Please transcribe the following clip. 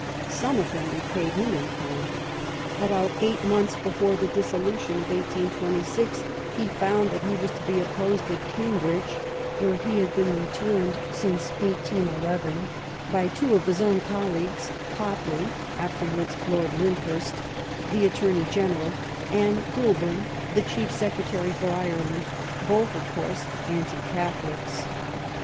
*' Some of them repaid him in kind. About eight months before the dissolution of 1826, he found that he was to be opposed at Cambridge, where he had been returned since 1811, by two of his own colleagues, Copley (after wards Lord Lyndhurst), the Attorney General, and Goulburn, the Chief Secretary for Ireland, both, of course, anti Catbolics.